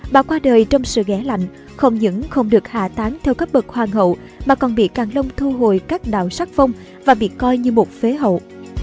bà qua đời trong sự ghé lạnh không những không được hạ tán theo các bậc hoàng hậu mà còn bị càng long thu hồi các đạo sắc phong và bị coi như một phế hậu